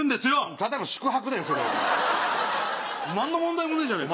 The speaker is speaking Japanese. ただの宿泊だよそれお前何の問題もねえじゃねぇか。